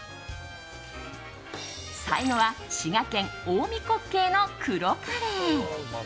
最後は滋賀県、近江黒鶏の黒カレー。